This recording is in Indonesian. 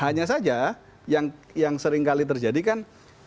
hanya saja yang sering kali terjadi kan